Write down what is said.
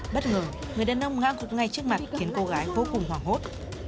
bất ngờ người đàn ông ngã gục ngay trước mặt khiến cô gái vô cùng hoảng hốt